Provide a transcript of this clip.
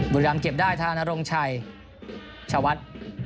บุรีรัมเก็บได้ทานอนร่องชายชาวัด